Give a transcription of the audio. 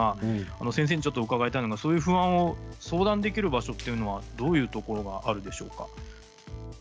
先生に伺いたいのが、そういう不安を相談できる場所ってどういうところがあるんでしょうか。